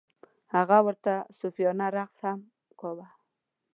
هغه ورته صوفیانه رقص هم کاوه.